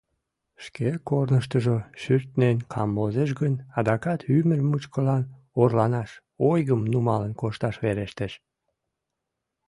Шке корныштыжо шӱртнен камвозеш гын, адакат ӱмыр мучкылан орланаш, ойгым нумалын кошташ верештеш.